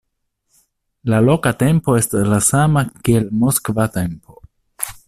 La loka tempo estas la sama kiel moskva tempo.